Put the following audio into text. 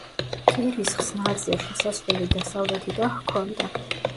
კირის ხსნარზე შესასვლელი დასავლეთიდან ჰქონდა.